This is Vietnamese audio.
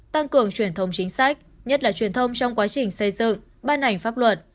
tăng cường truyền thông chính sách nhất là truyền thông trong quá trình xây dựng ban hành pháp luật